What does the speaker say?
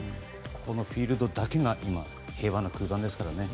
このフィールドだけが今平和の空間ですからね。